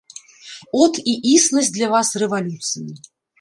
От і існасць для вас рэвалюцыі.